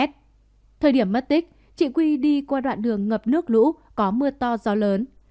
thời điểm mất tích chị quy đi qua đoạn đường ngập nước lũ có mưa to gió lớn